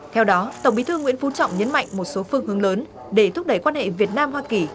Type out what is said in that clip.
theo đó tổng bí thư nguyễn phú trọng nhấn mạnh một số phương hướng lớn để thúc đẩy quan hệ việt nam hoa kỳ